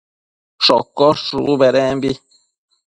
shocosh shubu bedembi